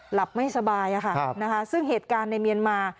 หลับไม่สบายซึ่งเหตุการณ์ในเมียนมา